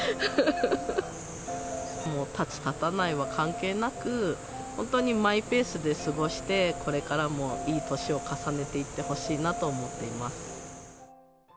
もう立つ立たないは関係なく、本当にマイペースで過ごして、これからもいい年を重ねていってほしいなと思っています。